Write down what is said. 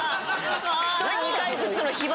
１人２回ずつの火花。